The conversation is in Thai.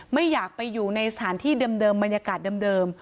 ไม่อยากไปอยู่ในสถานที่เดิมบรรยากาศเดิม